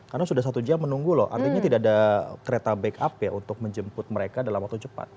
karena sudah satu jam menunggu loh artinya tidak ada kereta backup ya untuk menjemput mereka dalam waktu cepat